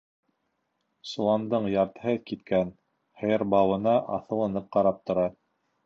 Соландың яртыһы киткән, һыйыр бауына аҫылынып ҡарап тора.